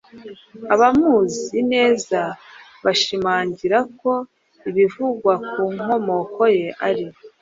Abamuzi neza bashimangira ko ibivugwa ku nkomoko ye ari